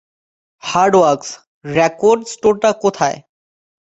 "Hardwax" record স্টোরটা কোথায়?